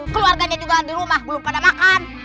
keluarganya juga di rumah belum pada makan